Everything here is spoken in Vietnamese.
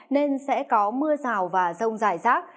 nên sẽ có mưa rào và rông dài rác